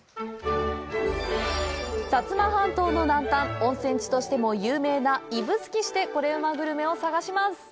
薩摩半島の南端温泉地としても有名な指宿市でコレうまグルメを探します！